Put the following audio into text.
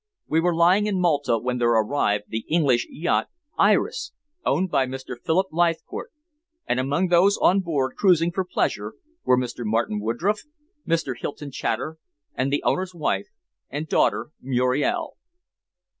We were lying in Malta when there arrived the English yacht Iris, owned by Mr. Philip Leithcourt, and among those on board cruising for pleasure were Mr. Martin Woodroffe, Mr. Hylton Chater, and the owner's wife and daughter Muriel.